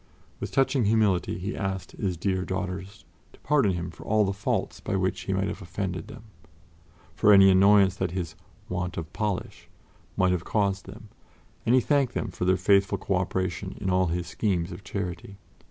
With touching humility he asked his dear daughters to pardon him for all the faults by which he might have offended them, for any annoyance that his "want of polish" might have caused them, and he thanked them for their faithful cooperation in all his schemes of charity.